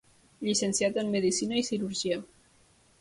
Llicenciat en medicina i cirurgia.